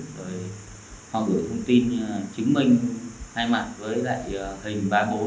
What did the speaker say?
rồi họ gửi thông tin chứng minh hai mặt với lại hình ba mươi bốn